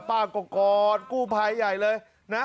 ป้ากลอดกูภายใหญ่เลย